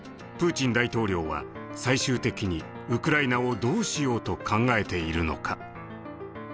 プーチン大統領は最終的にウクライナをどうしようと考えているのか。